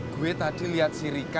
gue tadi liat si rika